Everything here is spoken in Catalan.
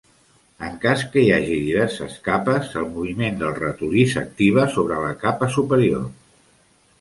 En cas que hi hagi diverses capes, el moviment del ratolí s'activa sobre la capa superior.